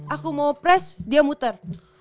aku mau press dia muter